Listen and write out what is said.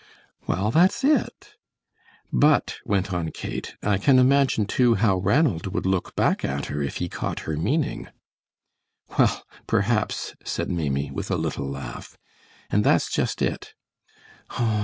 "Well, that's it " "But," went on Kate, "I can imagine, too, how Ranald would look back at her if he caught her meaning." "Well, perhaps," said Maimie, with a little laugh, "and that's just it.